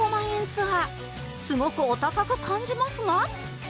ツアーすごくお高く感じますが